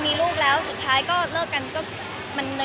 มีลูกแล้วสุดท้ายก็เลิกกัน